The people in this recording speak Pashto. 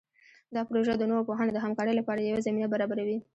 دا پروژه د نوو پوهانو د همکارۍ لپاره یوه زمینه برابروي.